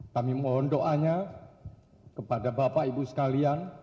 kami mohon doanya kepada bapak ibu sekalian